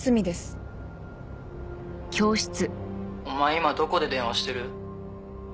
今どこで電話してる？